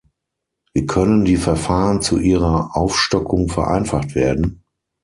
Wie können die Verfahren zu ihrer Aufstockung vereinfacht werden?